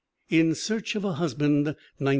In Search of a Husband, 1913.